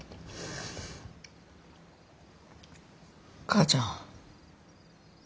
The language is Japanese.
母ちゃん。